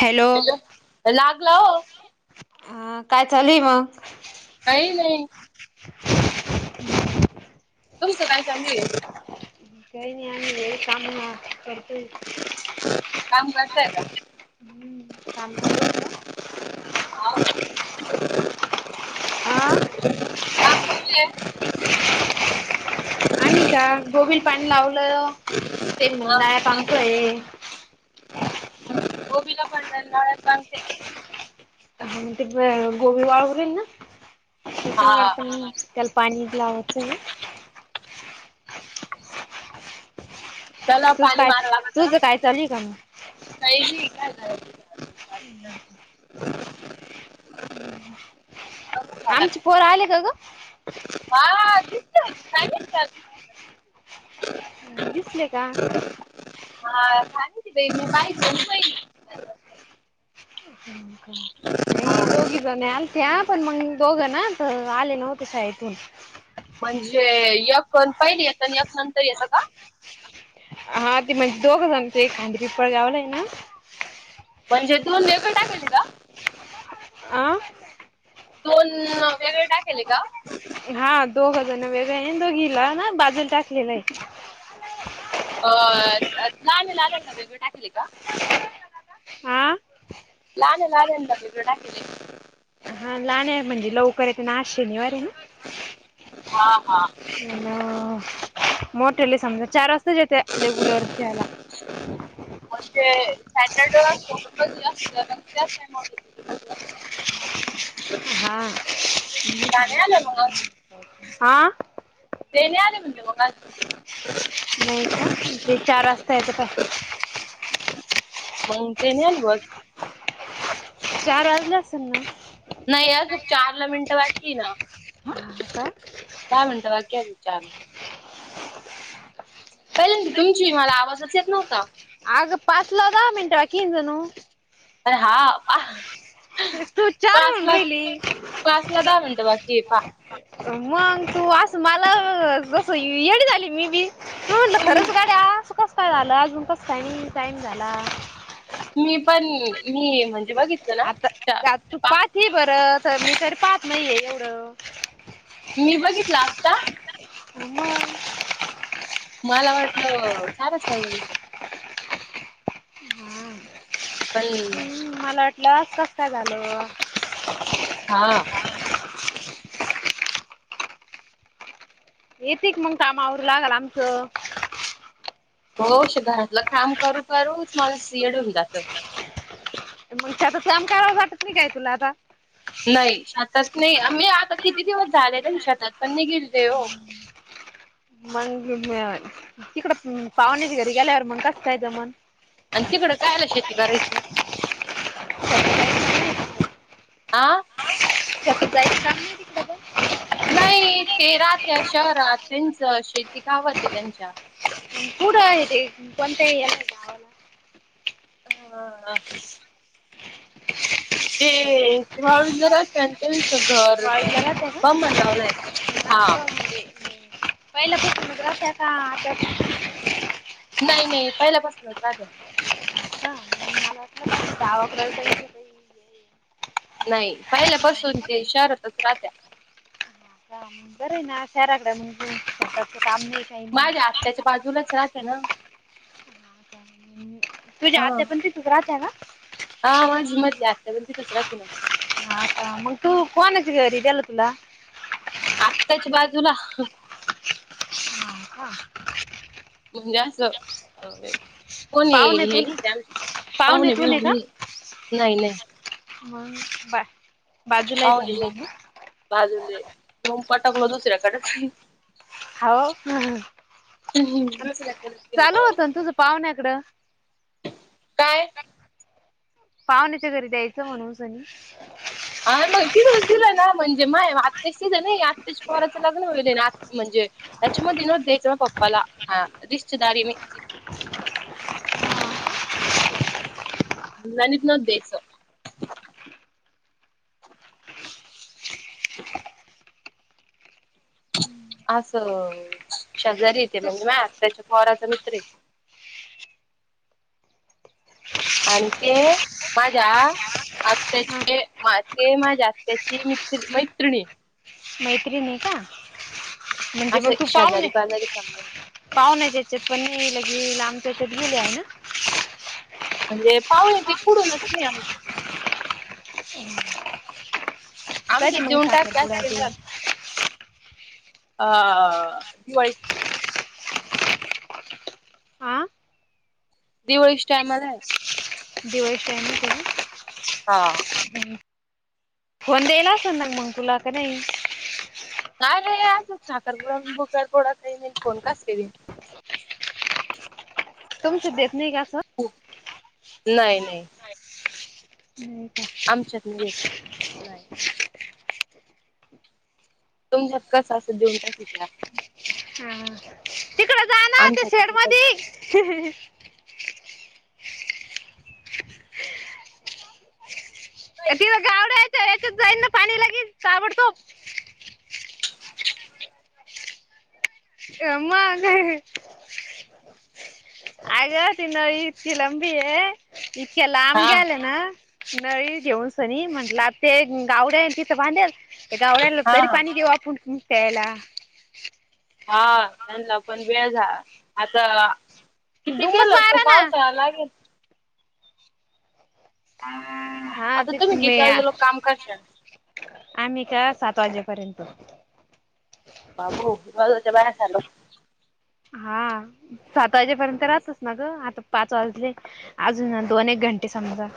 Hello. लागला हो अ काय चालूय मग? काई नाई. तुमचं काय चालू ए? काई नाही [unintelligible] काम करताय का? [unintelligible] हम्म काम चालू होतं हा [unintelligible] [unintelligible] हा [unintelligible] [unintelligible] हा म ते गोबी वावर [unintelligible] हा त्याला पाणी लावायचंय. त्याला तुझ पाणी काय मारावा तुझं काय लागतं चालू आहे का मग [unintelligible] हम्म हम्म हम्म. आमची पोर आले का ग? हा [unintelligible] अं दिसले का? हा [unintelligible] नाही दोघी जनी आलत्या पण मग दोघं ना तर आले नव्हते शाळेतून. म्हणजे एक आणि पहिली येत एक नंतर येतं का? हा ते म्हणजे दोघ जण खांद पिपळ गावला आहे ना [unintelligible] म्हणजे दोन्हीकडे टाकायचे का? आं? दोन वेगळे टाकेले का? हा दोघजण वेगळे आहे आणि दोघीला ना बाजूला टाकलेलं आहे. अ लहान्या लहान्यांना वेगळं टाकलय का [unintelligible] हा लहान [unintelligible] हं लहान ये म्हणजे लवकर येते ना शनिवार ए ना. हा हा. अं मोठली समजा चार वाजताच येते. रेगुलरच्या याला. [inaudible] म्हणजे सॅटर्डे टोबर जे अस त्याच य [unintelligible] हा. का नाही आलं मग आ? तेण्या आले म्हणज [unintelligible] नाही का ते चार नाही वाजता येतं पाय [unintelligible] मग ते नाही [unintelligible] आली बस? चार वाजले असेल ना. नाही अजूक चारला मिनटं बाकी आहे ना. हा का? दहा मिनट बाकी अजून चारला. पहिल्यांदा तुमची मला आवाजच येत नव्हता. अगं पाचला दहा मिनिटे बा जणु [unintelligible] अरे हा हा तू चार म्हणून राहिली [unintelligible] पाचला दहा मिनिटं बाकी पा मग तू असं मला जसं येडी झाली मी बी. मी म्हणलं खरंच गड्या असं कसं काय झालं, अजून कसं काय नाय टाईम झाला. मी पण मी म्हण आता तू पाहतीये बरं मी तर एवढं पाहत नाही [unintelligible] मी बघितल आत्ता. मग मला वाटलं झालं [unintelligible] पण हम्म मला वाटल असं कसं काय झालं. हा. येते का मग काम आवरु लागाल आमचं? होश घरातलं काम करू करूच मला सिओडविलात [unintelligible] मग त्याच काम करावंस वाटत नाही का तुला आता? नाही शेतात नाही आम्ही आता किती दिवस झाले शेतात पण नाही गेली आहे हो. मग तिकडं पाहुण्याच्या घरी गेल्यावर मग कसं जमन? अन् तिकडे काय आल शेती करायची [unintelligible] आ? [unintelligible] नाही ते राहत्यात शहरात त्यांचं शेती गावात ये त्यांच्या. कुठं आहे ते कोणत्या एरियात? ह हा हा. ते वाळूज [unintelligible] त्यांचं घर वाळूला राहते बामणगावला हाय का हा. असं म्हणजे पहिल्यापासूनच राहत्या का आता नाय नाय पहिल्यापासूनच राहतात. [unintelligible] आहे. नाही पहिल्यापासून ते शहरातच राहत्या. का बरं आहे ना शहराकडे, शेताच काम नाही. काही नाही माझ्या आत्याच्या बाजूलाच राहते ना. तुझी हा आत्या पण तिथेच राहत्या ना? हा माझी मधली आत्या पण तिथेच राहते ना. हा का मग तू कोणाच्या घरी दिलं तुला? आत्याच्या बाजूला हो का म्हणजे असं आबे. कोणी पाहुणे हेरी त्या पाहुणे पाहणे बिऊ नाही नाही. हम् बाय. पाहली बाजू तन पटकलो दुसऱ्याकडे. हो दुसऱ्याकडेच चालू गेलो होतं ना तुझ पाहुण्या नाकडं. काय. पाहुण्याच्या घरी द्यायचं म्हणून सनी. मग ति दिलं ना म्हणजे माय आत्ताश तिझ नाही आत्ताश पोराचं लग्न होईल म्हणजे. द च म दिनो देच पपला ह रिश्तेदारी मे.. [unintelligible] असं शेजारी तेे म्हणजे माय त्याच्या पोवराचा मित्र आहे. आणि ते माझ्या. आत््याचे ते माझ्या आत्तची मित मैत्रिणी. मैत्रीणी का म्हणजे मग असे तू पाहने. शेजारी पाजारी समजा पाहन त्याच्या पनी लगे आमच्यात गेले आहे ना. म्हणजे पाहणे ते कुडूनच नाही आमचे. इ [inaudible] आमच्या देऊन टाक असले तर, त्याच केंद्रात अ दिवाळी. हा दिवाळीच्या टाइमला आहे. दिवाळीस टाम हो. हा फोन द्यायला अस ना मग तुला का नाही? नाही रे आच साखरपुडा भुकारपोडा म फोन कास केली. तुमच देत नाही का असं. ओ. नाही नाही. [inaudible] आमच्यात येत नाही. तुम धक्क सासत देऊन टाकी त्या. हा ह चिकढ दान. आमच्यात. ह देत तिथं गावड्याच्या याच्यात जाईन ना पाणी लागेल सावडतोत. [unintelligible] ती न इतकी लांबी आहे इतक्या लांब हा ग्याले ना. नाही घेऊनसनी, नाही म्हंटलं ते गावड्या तिथं बांधेल. ए ग आवडायला हा तरी हा. पाणी देऊ आपणकता यायला. हा चाललं पण वेळ झाला, आता किथे दुमच केलं का मारा ना पावसा या लागेल. [unintelligible] हा तुम्ही किती ते्ही वाजे लोक काम करशाल. आम्ही का सात वाजेपर्यंत. बाबो मला त्या बाजूचं हंडवश. हा सात वाजेपर्यंत राहतच ना ग आता. पाच वाजले अजून दोन एक घंटे समजा.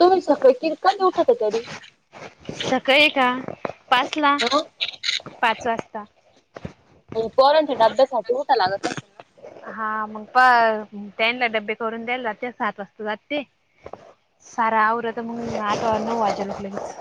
तुम्ही सफ कि का उठा तरी. सकाळी आहे का पाच ला ह पाच वाजता. आणि पोरांच्या डब्यासाठी होठं लागत. ना. हा मग प त्यांनला डबे करून द्यायला जाते सात वाजता जाते. सर आर आता मग नव वाजन माझा लगेच.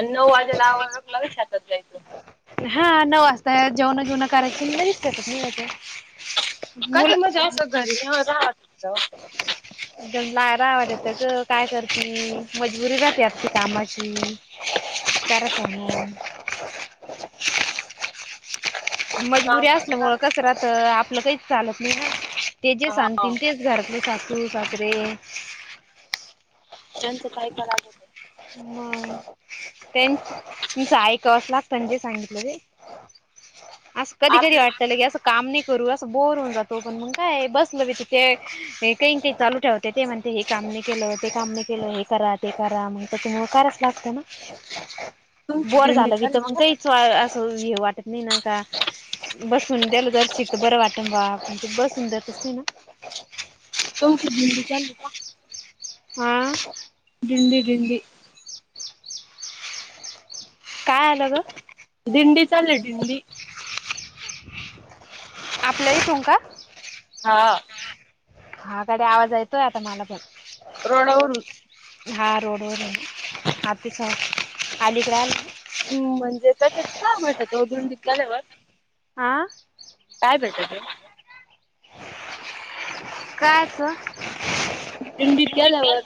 आन नऊ वाजेला आवरल, की लगेच शेतात जायचं. हा नऊ वाजता जेवणं बीवनं करायची, ते लगेच शेतात निघायचं. कधी मुलं. मध्ये असं घरी नाही राहत [unintelligible] करा कामं. मजबुरी काम असल्यामुळ कसं राहत, आपलं काहीच चालत नई ना ते जे हा सांगतील तेच. घरातले सासू सासरे. त्याचं कायपन असूदे. मंग तेन ते ऐकावच लागतं न जे सांगितलं ते. आसं कधी कधी आपलं वाटत लगि आस. काम नई करू, असं बोर होऊन जातो. पण मंग काय बसलं बी त ते हे काई अन ते चालू ठेवते. ते म्हणते हे काम मी केलं, ते काम मी केलं. हे करा ते करा मंग त्यांच्यामुळ कराच लागत ना, तुमची बोर दिंडी झालं बी त चालली का काइ. [unintelligible] असं हे वाटत नई ना का. बसून देल जरशीक तर बरं वाटन, बुवा पन ते बसून देतच नई ना. तुमची दिंडी चाली का. आं.. दिंडी दिंडी. काय आलं गं. दिंडी चालली दिंडी आपल्या इथून कां. हावं. हां गड्या आवाज येतोय, आता मला पण. रोडावरून. हा रोडवर आहे हा, तिचा अलिकड आली. अं म्हणजे त्याच्यात काय भेटत ओ दिंडीत गेल्यावर? आं.. काय भेटतं. कां असं. दिंडीत गेल्यावर.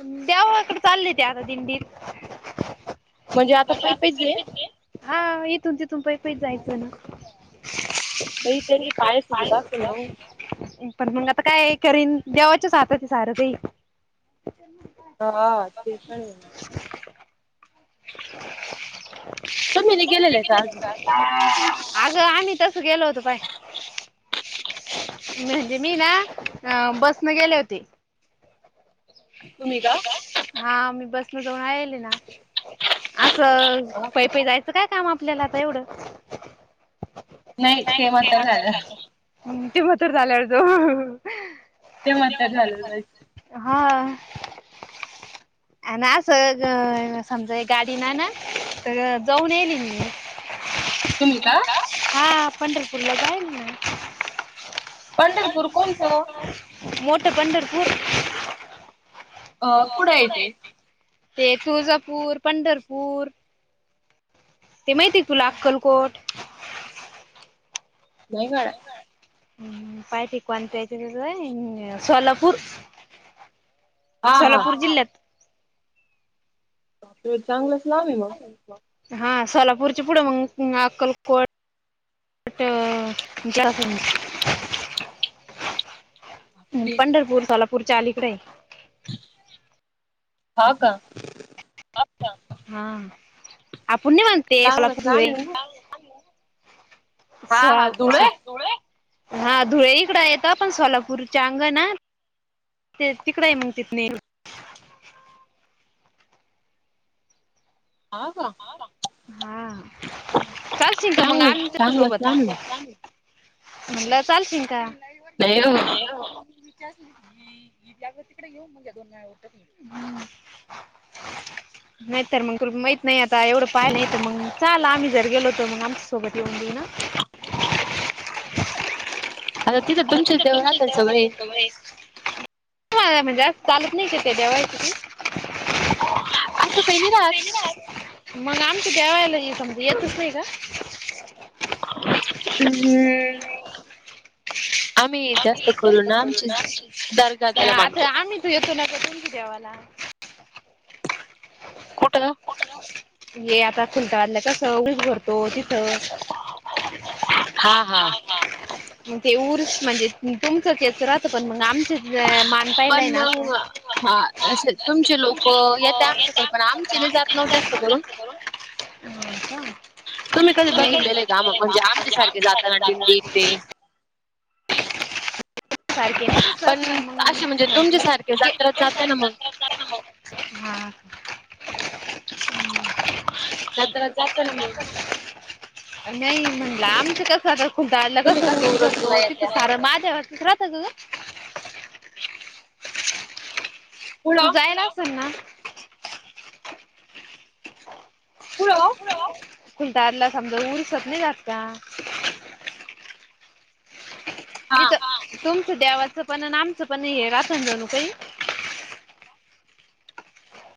देवाकड चाली त्या, आता दिंडीत. म्हणजे पै आता पैच पई आहे पई च जाईल, हा इथून तिथून पई पई च जायचं ना. बाई त्यांचे पाय सुजत असल ना ओ. पण मग आता काय करीन, देवाच्याच हातात ये सारं काई. हा ते, पन ये. तुम्ही नई गेलेले का आज? आगं आम्ही तसं गेलो होतो पाय. [inaudible] म्हणजे मी, ना बसन गेले होते. तुम्ही का? हा मी बसन जाऊन आएल ये ना, आस पै पै जायचं. च काय काम आपल्याला आता एवढं? नाई ते मात्र झालं. मंग ते म्हातारं झाल्यावर जाऊ ते म्हातार झालं जायचं हा. आन असं समजा गाडीन नाही ना, तर जाऊन येल ये मी. तुम्ही का? हां पंढरपूर ला जायेल ना. पंढरपूर कोणचं. मोठं पंढरपूर. अं.. कुठेय ते. ते तुळजापूर पंढरपूर ते माहितेय तुला अक्कलकोट? नाही [unintelligible] हम्म [unintelligible] सोलापूर. हा हा सोलापूर जिल्ह्यात. ते चांगलंच लांब आहे मग. हा सोलापूरचे पुढे मग अक्कलकोट. [unintelligible] ह पंढरपूर सोलापूर आलीकड आहे. हा का? आपण नाही म्हणते चांगलंच सोलापूर लांब धुळे आहे मग हा हा धुळे [unintelligible] [unintelligible] हा धुळे इकडं येत, पण सोलापूरच्या अंग ना ते तिकडे आहे म्हग ती [unintelligible] थ नाही हा का हा. चालशील का मग चांगलंच आमच्या चांगलंच सोबत? लांब आहे म्हणलं चालशील का? मग नाही ओ [unintelligible] तिकडे घेऊ मग या दोन [unintelligible] हम्म. नाही तर मग तुला माहित नाही आत काय एवढं पाय नाही तर मग चाल आम्ही जर गेलो तर मग आमच्यासोबत येऊन देई ना आता तिथं तुमचेच देव राहतात सगळे. होय. [unintelligible] म्हणजे स चालत नाही का ते देवा [unintelligible] असं काही नाही राहत. मग आमच्या देवाला हे समद येतच नाही का? हम्म. ह [unintelligible] आम्ही जास्त करू ना आमची दर्गा [unintelligible] त्याला बया मानतो आता आम्ही तू येतो ना तुमच्या देवाला‌. [inaudible] कुठं? ये आता खुलतावादला कस उरूस भरतो तिथ हा हा. मग ते ऊरूस म्हणजे तुमचं तेच राहत, पण मग आमचे पण मग हा असे तुमचे लोक हो येत आमच्याकडं पण, आमचे नाही जातं ना जास्त करून. तुम्ही तुम्ही कधी बघितलेलं आहे काम म्हणजे आमच्यासारखे जाताना दिंडीत ते पण असे म्हणजे तुमच्या सारखे जात्रात जाते ना मग [unintelligible] [unintelligible] हा. जत्रात जातो ना मग. नाही म्हणलं आमचं कसं आता [unintelligible] तुम्ही कसं ऊन करतो उरसला तिथं येत्या सार माझ्यावर [unintelligible] तू पुढं जायला असेल न [unintelligible] [inaudible] कुठं ओ? खुलतारला समजा उरसात नाही जात का? हा इथं तुमचं देवाचं पण आणि आमचं पण हे राहत ना जणू काही